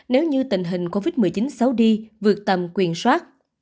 nếu như tình hình covid một mươi chín xấu đi vượt tầm quyền soát